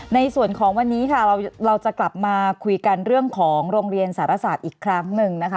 ในส่วนของวันนี้ค่ะเราจะกลับมาคุยกันเรื่องของโรงเรียนสารศาสตร์อีกครั้งหนึ่งนะคะ